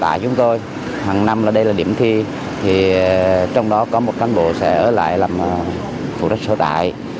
tại chúng tôi hàng năm đây là điểm thi trong đó có một cán bộ sẽ ở lại làm phụ đất số tài